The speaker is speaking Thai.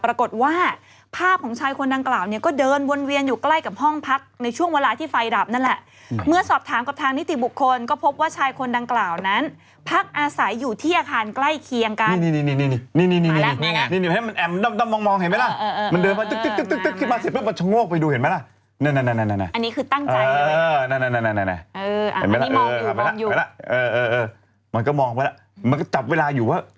ปรากฏว่าภาพของชายคนดังกล่าวเนี่ยก็เดินวนเวียนอยู่ใกล้กับห้องพักในช่วงเวลาที่ไฟรับนั่นแหละ